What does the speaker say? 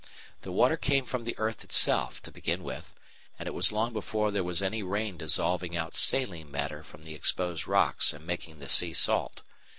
The water came from the earth itself, to begin with, and it was long before there was any rain dissolving out saline matter from the exposed rocks and making the sea salt.